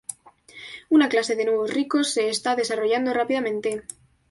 Una clase de nuevos ricos se está desarrollando rápidamente.